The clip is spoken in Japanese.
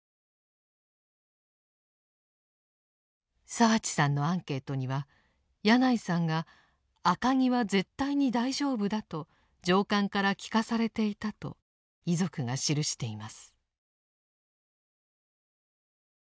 澤地さんのアンケートには矢内さんが「赤城は絶対に大丈夫だ」と上官から聞かされていたと遺族が記しています。